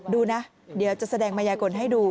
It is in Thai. ดูนะเดี๋ยวจะแสดงมายากลให้ดู